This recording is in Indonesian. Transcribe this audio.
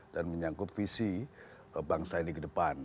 dan menyangkut visi bangsa ini ke depan